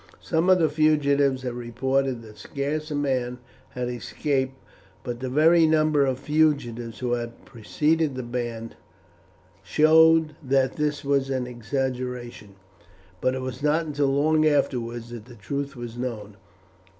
Some of the fugitives had reported that scarce a man had escaped; but the very number of fugitives who had preceded the band showed that this was an exaggeration. But it was not until long afterwards that the truth was known.